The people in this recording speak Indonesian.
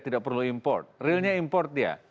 tidak perlu import realnya import dia